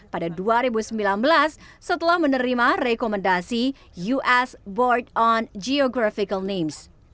pada dua ribu sembilan belas setelah menerima rekomendasi us board on geographical names